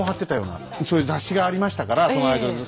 そういう雑誌がありましたからそのアイドルの。